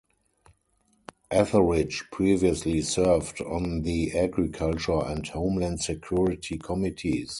Etheridge previously served on the Agriculture and Homeland Security committees.